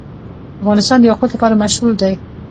افغانستان د یاقوت لپاره مشهور دی.